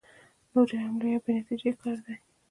نورې حملې یو بې نتیجې کار دی.